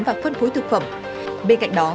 và phân phối thực phẩm bên cạnh đó